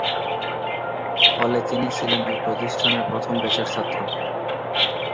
ফলে তিনি ছিলেন এই প্রতিষ্ঠানের প্রথম ব্যাচের ছাত্র।